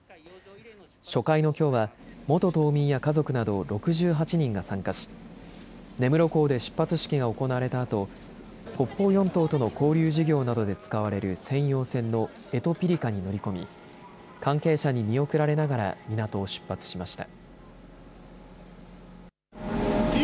初回のきょうは元島民や家族など６８人が参加し根室港で出発式が行われたあと北方四島との交流事業などで使われる専用船のえとぴりかに乗り込み関係者に見送られながら港を出発しました。